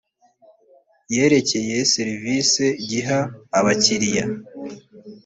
yerekeye serivisi giha abakiriya